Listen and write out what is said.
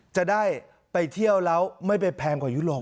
จะได้ไปเที่ยวแล้วไม่ไปแพงกว่ายุโรป